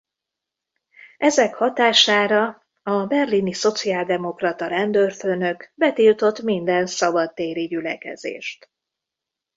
Ezek hatására a berlini szociáldemokrata rendőrfőnök betiltott minden szabadtéri gyülekezést.